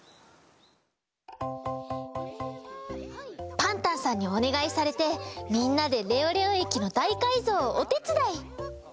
パンタンさんにおねがいされてみんなでレオレオえきのだいかいぞうをおてつだい！